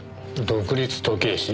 独立時計師？